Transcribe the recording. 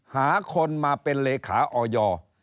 หาคนมาเป็นเลขาออย